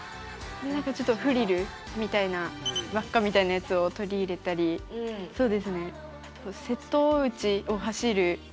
ちょっとフリルみたいな輪っかみたいなやつを取り入れたりそうですね。